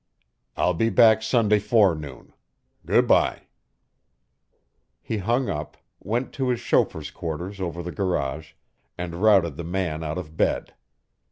"I'll be back Sunday forenoon. Good bye." He hung up, went to his chauffeur's quarters over the garage, and routed the man out of bed.